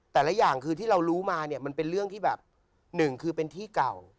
แต่ละอย่างคือที่เรารู้มาเนี่ยมันเป็นเรื่องที่แบบหนึ่งคือเป็นที่เก่า